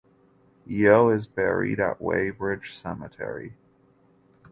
Yeo is buried at Weybridge Cemetery.